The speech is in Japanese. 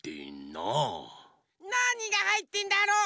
なにがはいってんだろ。